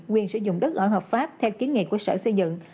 quyền sử dụng đất ở hợp pháp theo kiến nghị của sở xây dựng